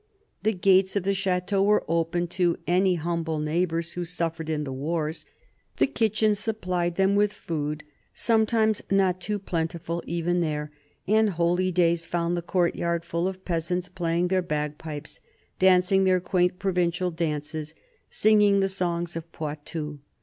The gates of the chateau were open to any humble neighbours who suffered in the wars ; the kitchen supplied them with food, sometimes not too plentiful even there; and holy days found the courtyard full of peasants playing their bagpipes, dancing their quaint provincial dances, singing the songs of Poitou.